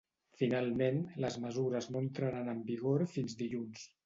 Finalment, les mesures no entraran en vigor fins dilluns.